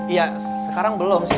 iya sekarang belum sih